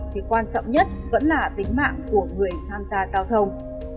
thì quan trọng nhất vẫn là tính mạng của người tham gia giao thông